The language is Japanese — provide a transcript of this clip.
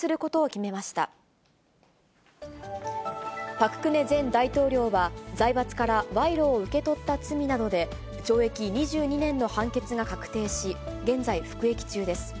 パク・クネ前大統領は、財閥から賄賂を受け取った罪などで、懲役２２年の判決が確定し、現在服役中です。